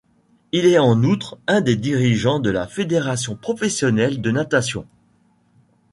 Il est en outre un des dirigeants de la Fédération professionnelle de natation.